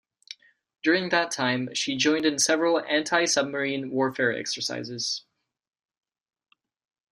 During that time, she joined in several anti-submarine warfare exercises.